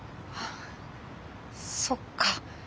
そっか。